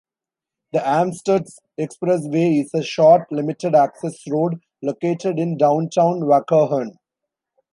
The Amstutz Expressway is a short, limited-access road located in downtown Waukegan.